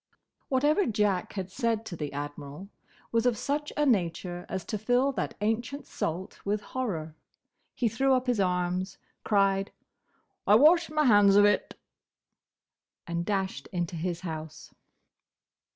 Whatever Jack had said to the Admiral was of such a nature as to fill that ancient salt with horror. He threw up his arms, cried, "I wash my hands of it!" and dashed into his house.